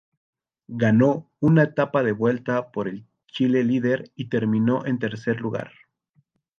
Ganó una etapa de Vuelta por un Chile Líder y terminó en tercer lugar.